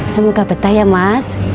semoga betah ya mas